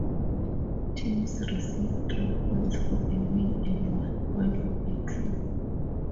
Teams receive three points for a win and one point for a draw.